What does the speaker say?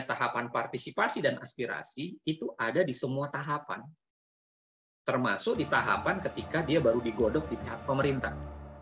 tahapan partisipasi dan aspirasi itu ada di semua tahapan termasuk di tahapan ketika dia baru digodok di pihak pemerintah